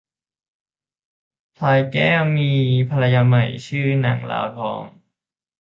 พลายแก้วมีภรรยาใหม่ชื่อนางลาวทอง